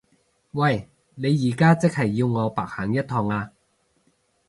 喂！你而家即係要我白行一趟呀？